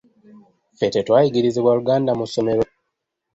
Ffe tetwayigirizibwa Luganda mu ssomero.